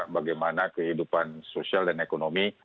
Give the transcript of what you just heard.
bagaimana kehidupan sosial dan ekonomi